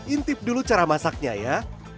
intip dulu cara masaknya ya